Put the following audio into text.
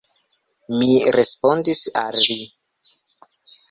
Mi respondis al li.